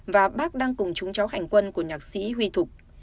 và bác đang cùng chúng cháu hành quân của nhạc sĩ huy thục